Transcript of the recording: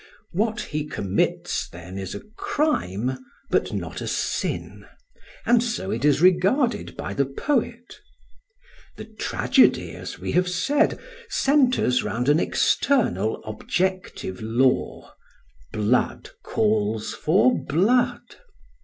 What he commits, then, is a crime, but not a sin; and so it is regarded by the poet. The tragedy, as we have said, centres round an external objective law "blood calls for blood."